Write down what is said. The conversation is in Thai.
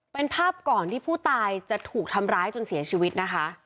เป็นภาพก่อนที่ผู้ตายจะถูกทำร้ายจนเสียชีวิตนะคะ